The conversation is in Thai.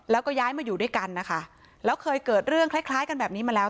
แล้วก็ย้ายมาอยู่ด้วยกันนะคะแล้วเคยเกิดเรื่องคล้ายคล้ายกันแบบนี้มาแล้ว